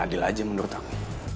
udah gak papa